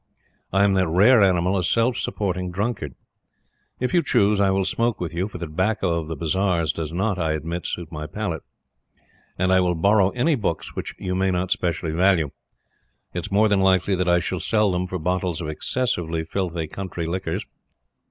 I am that rare animal, a self supporting drunkard. If you choose, I will smoke with you, for the tobacco of the bazars does not, I admit, suit my palate; and I will borrow any books which you may not specially value. It is more than likely that I shall sell them for bottles of excessively filthy country liquors.